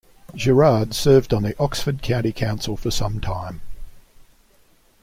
Gerard served on the Oxford County Council for some time.